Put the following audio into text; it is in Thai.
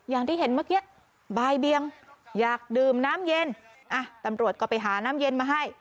อย่างที่เห็นเมื่อกี้บายเบียงอยากดื่มน้ำเย็น